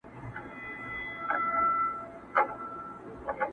مري ارمان مي له بدنه یې ساه خېژي.